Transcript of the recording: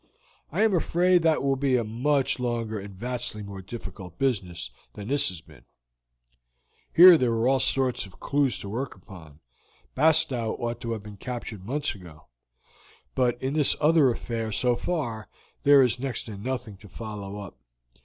I am afraid that will be a much longer and a vastly more difficult business than this has been. Here there were all sorts of clews to work upon. Bastow ought to have been captured months ago, but in this other affair, so far, there is next to nothing to follow up.